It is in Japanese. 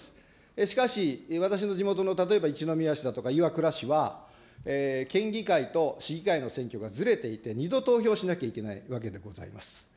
しかし、私の地元の例えば一宮市だとか岩倉市は、県議会と市議会の選挙がずれていて、２度投票しなきゃいけないわけでございます。